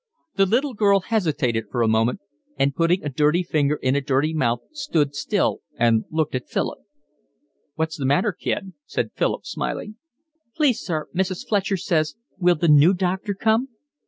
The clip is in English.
The little girl hesitated for a moment, and putting a dirty finger in a dirty mouth stood still and looked at Philip. "What's the matter, Kid?" said Philip, smiling. "Please, sir, Mrs. Fletcher says, will the new doctor come?"